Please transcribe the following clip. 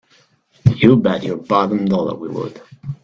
You bet your bottom dollar we would!